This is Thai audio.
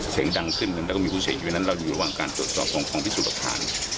เสียงดังขึ้นหนึ่งแล้วก็มีผู้เสียชีวิตนั้นเราอยู่ระหว่างการตรวจสอบของพิสูจน์หลักฐาน